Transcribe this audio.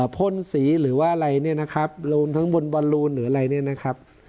พ่นสีหรือว่าอะไรเนี่ยนะครับรูนทั้งบนบอลลูนหรืออะไรเนี่ยนะครับ